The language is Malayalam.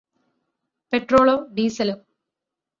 പെട്രോളോ ഡീസലോ?